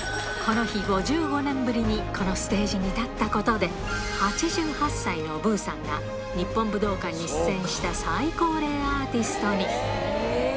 この日、５５年ぶりにこのステージに立ったことで、８８歳のブーさんが、日本武道館に出演した最高齢アーティストに。